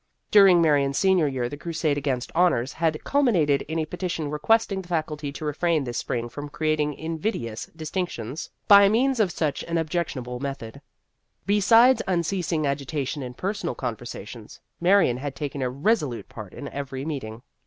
During Marion's senior year, the crusade against " honors " had culminated in a petition requesting the Faculty to refrain this spring from creating invidious dis tinctions by means of such an objectionable method. Besides unceasing agitation in personal conversations, Marion had taken a resolute part in every meeting.